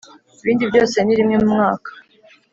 ibindi byose ni rimwe mu mwaka